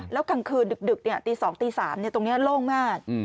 แล้วกลางคืนดึกตี๒ตี๓ตรงนี้โล่งมาก